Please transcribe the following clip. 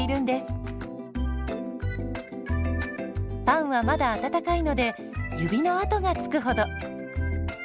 パンはまだ温かいので指の跡がつくほど。